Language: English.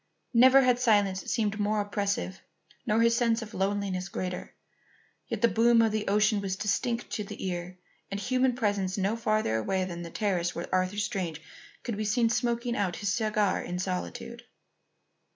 Never had silence seemed more oppressive nor his sense of loneliness greater. Yet the boom of the ocean was distinct to the ear, and human presence no farther away than the terrace where Arthur Strange could be seen smoking out his cigar in solitude.